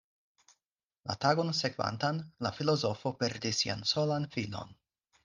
La tagon sekvantan, la filozofo perdis sian solan filon.